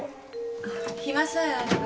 あっ暇さえあれば。